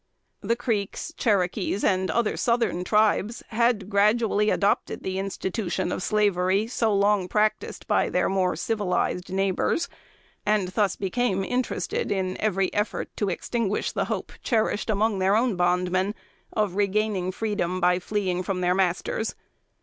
The Creeks, Cherokees, and other Southern tribes, had gradually adopted the institution of Slavery, so long practiced by their more civilized neighbors, and thus became interested in every effort to extinguish the hope cherished among their own bondmen, of regaining freedom by fleeing from their masters.